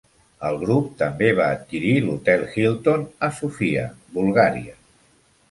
El grup també va adquirir l'Hotel Hilton a Sofia (Bulgària).